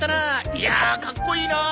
いやかっこいいなあ。